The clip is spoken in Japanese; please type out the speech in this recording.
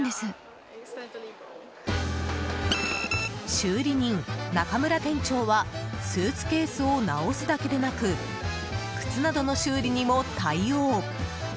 修理人・中村店長はスーツケースを直すだけでなく靴などの修理にも対応。